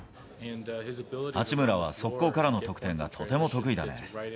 八村は速攻からの得点がとても得意だね。